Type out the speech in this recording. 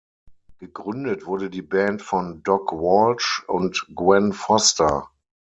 Gegründet wurde die Band von Doc Walsh und Gwen Foster.